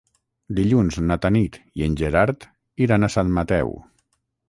Dilluns na Tanit i en Gerard iran a Sant Mateu.